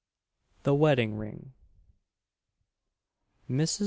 THE WEDDING RING. Mrs.